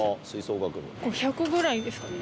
５００ぐらいですかね。